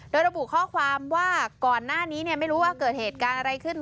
โดยระบุข้อความว่าก่อนหน้านี้ไม่รู้ว่าเกิดเหตุการณ์อะไรขึ้น